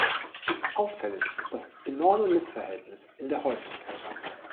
Auffällig ist das enorme Missverhältnis in der Häufigkeit.